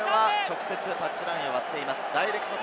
ただこれは直接タッチラインを割っています。